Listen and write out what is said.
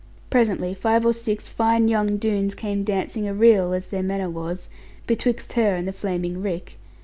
Presently five or six fine young Doones came dancing a reel (as their manner was) betwixt her and the flaming rick.